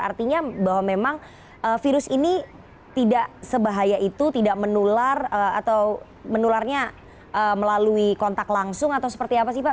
artinya bahwa memang virus ini tidak sebahaya itu tidak menular atau menularnya melalui kontak langsung atau seperti apa sih pak